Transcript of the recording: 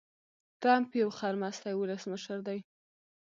ټرمپ يو خرمستی ولسمشر دي.